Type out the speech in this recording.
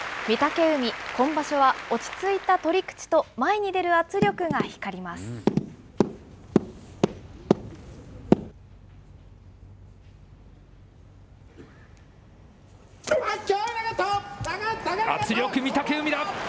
御嶽海、今場所は落ち着いた取り口と前に出る圧力が光ります。